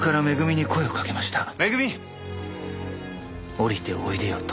「“下りておいでよ”と」